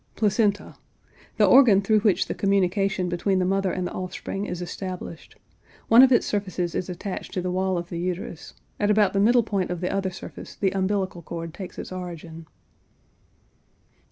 PLACENTA. The organ through which the communication between the mother and the offspring is established. One of its surfaces is attached to the wall of the uterus; at about the middle point of the other surface the umbilical cord takes its origin.